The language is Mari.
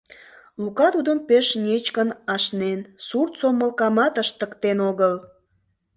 Лука тудым пеш нечкын ашнен, сурт сомылкамат ыштыктен огыл.